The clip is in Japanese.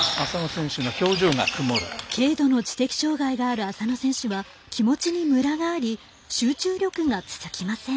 軽度の知的障がいがある浅野選手は気持ちにむらがあり集中力が続きません。